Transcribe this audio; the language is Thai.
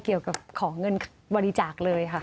เกี่ยวกับของเงินบริจาคเลยค่ะ